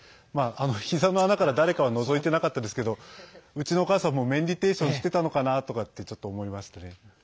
ひざの穴から誰かはのぞいてなかったですけどうちのお母さんもメンディテーションしてたのかなとかってちょっと思いましたね。